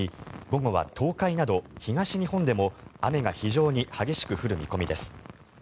午後は東海など東日本でも雨が非常に激しく降る見込みです。